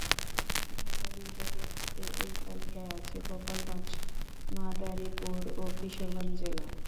ঢাকা বিভাগের মধ্যে এ তালিকায় আছে গোপালগঞ্জ, মাদারীপুর ও কিশোরগঞ্জ জেলা।